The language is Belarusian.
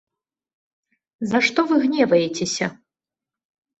За што вы гневаецеся?